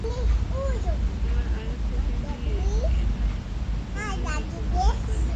আমার আয়ু থেকে নিয়ে এর আয়ু আরো চল্লিশ বছর বৃদ্ধি করে দিন।